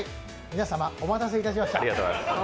皆様お待たせいたしました。